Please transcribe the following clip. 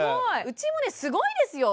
うちもねすごいですよ。